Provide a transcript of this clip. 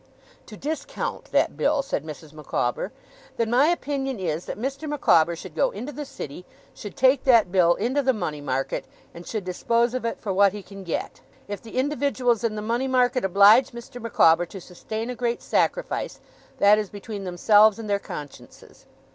'To discount that bill,' said Mrs. Micawber, 'then my opinion is, that Mr. Micawber should go into the City, should take that bill into the Money Market, and should dispose of it for what he can get. If the individuals in the Money Market oblige Mr. Micawber to sustain a great sacrifice, that is between themselves and their consciences.